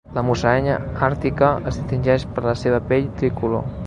La musaranya àrtica es distingeix per la seva pell tricolor.